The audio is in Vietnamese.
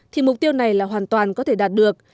thì mục tiêu này là hoàn toàn có thể đạt được